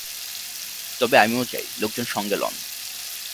তবে আমিও যাই, লোকজন সঙ্গে লউন।